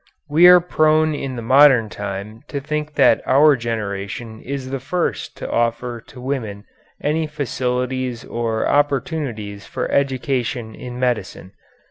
We are prone in the modern time to think that our generation is the first to offer to women any facilities or opportunities for education in medicine.